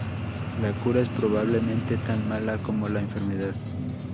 La cura es probablemente tan mala como la enfermedad.